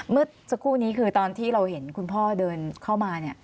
เมื่อสักครู่นี้คือตอนที่เราเห็นคุณพ่อเดินเข้ามา